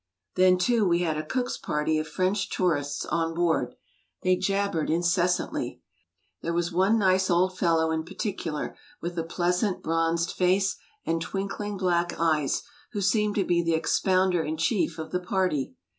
Then, too, we had a Cook's party of French tourists on board. They jabbered incessandy. There was one nice old fellow in particular, with a pleasant, bronzed face and twinkling black eyes, who seemed to be the expounder in chief of the party.